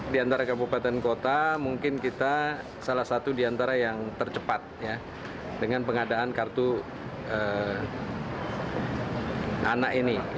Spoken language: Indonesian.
di antara kabupaten kota mungkin kita salah satu di antara yang tercepat dengan pengadaan kartu anak ini